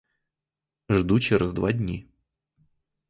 Жду через два дні.